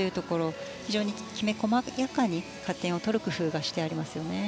非常にきめ細やかに加点を取る工夫がしてありますよね。